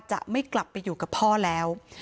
จะไม่กลับไปอยู่กับพ่อแล้ว